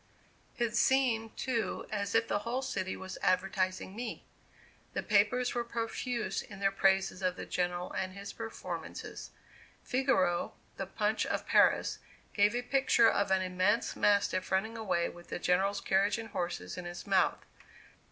It seemed, too, as if the whole city was advertising me. The papers were profuse in their praises of the General and his performances. Figaro, the Punch of [Illustration: ROYAL HONORS TO THE GENERAL.] Paris, gave a picture of an immense mastiff running away with the General's carriage and horses in his mouth.